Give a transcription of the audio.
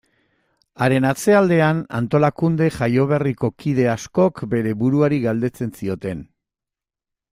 Haren atzealdean, antolakunde jaioberriko kide askok bere buruari galdetzen zioten.